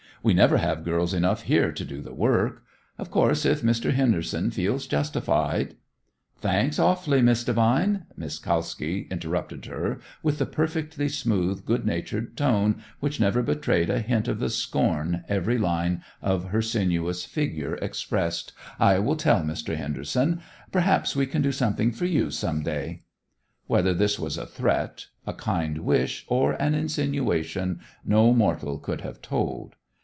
We never have girls enough here to do the work. Of course if Mr. Henderson feels justified " "Thanks awfully, Miss Devine," Miss Kalski interrupted her with the perfectly smooth, good natured tone which never betrayed a hint of the scorn every line of her sinuous figure expressed, "I will tell Mr. Henderson. Perhaps we can do something for you some day." Whether this was a threat, a kind wish, or an insinuation, no mortal could have told.